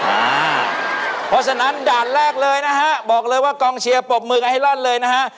เพราะฉะนั้นด่านแรกเลยนะฮะบอกเลยว่ากองเชียร์ปรบมือกันให้ลั่นเลยนะฮะ